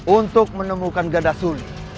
untuk menemukan ganda suli